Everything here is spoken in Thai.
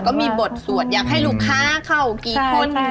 ก็มีบทสวดอยากให้ลูกค้าเข้ากี่คน